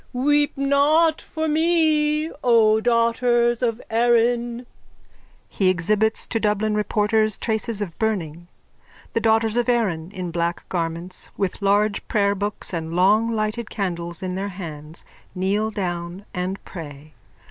_ Weep not for me, O daughters of Erin. _(He exhibits to Dublin reporters traces of burning. The daughters of Erin, in black garments, with large prayerbooks and long lighted candles in their hands, kneel down and pray.)